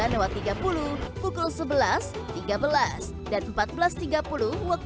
dan empat belas tiga puluh waktu indonesia